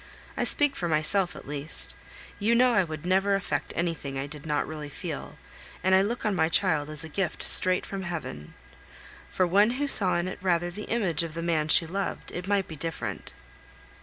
I speak for myself at least; you know I would never affect anything I did not really feel, and I look on my child as a gift straight from Heaven. For one who saw in it rather the image of the man she loved, it might be different.